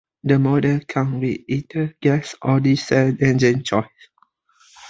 The model comes with either gas or diesel engine choices.